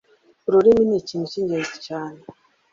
ururimi ni ikintu cy'ingenzi cyane.